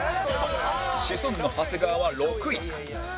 シソンヌ長谷川は６位